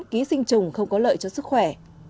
ký sinh trùng không có lợi cho sức khỏe